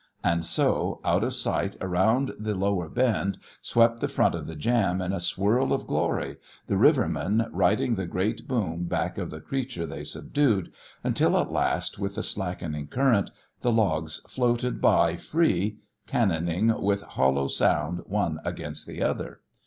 And so, out of sight around the lower bend swept the front of the jam in a swirl of glory, the rivermen riding the great boom back of the creature they subdued, until at last, with the slackening current, the logs floated by free, cannoning with hollow sound one against the other.